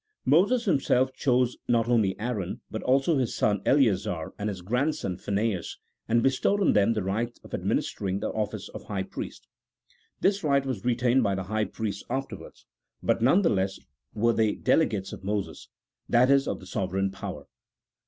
Moses himself chose not only Aaron, but also his son Eleazar, and his grandson Phineas, and bestowed on them the right of administering the office of high priest. This right was retained by the high priests afterwards, but none the less were they delegates of Moses — that is, of the sovereign power.